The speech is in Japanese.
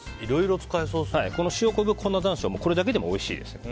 塩昆布と粉山椒だけでもおいしいですよ。